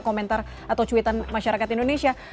komentar atau cuitan masyarakat indonesia